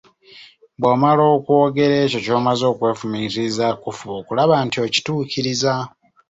Bwomala okwogera ekyo ky'omaze okwefumiitirizaako, fuba okulaba nti okituukiriza.